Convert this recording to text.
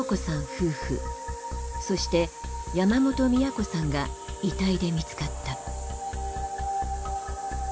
夫婦そして山本ミヤ子さんが遺体で見つかった。